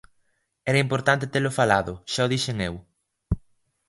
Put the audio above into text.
Era importante telo falado, xa o dixen eu.